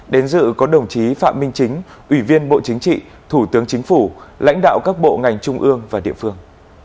đến dự có đồng chí phạm minh chính ủy viên bộ chính trị thủ tướng chính phủ lãnh đạo các bộ ngành trung ương và địa phương